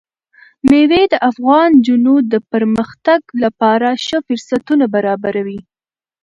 مېوې د افغان نجونو د پرمختګ لپاره ښه فرصتونه برابروي.